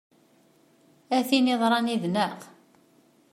A tin yeḍran yid-neɣ!